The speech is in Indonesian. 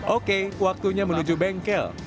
oke waktunya menuju bengkel